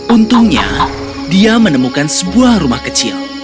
untungnya dia menemukan sebuah rumah kecil